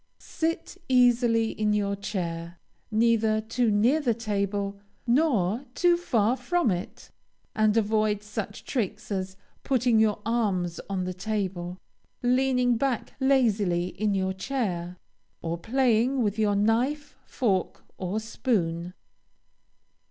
Sit easily in your chair, neither too near the table, nor too far from it, and avoid such tricks as putting your arms on the table, leaning back lazily in your chair, or playing with your knife, fork, or spoon.